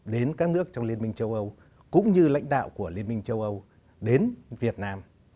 đến các nước trong liên minh châu âu cũng như lãnh đạo của liên minh châu âu đến việt nam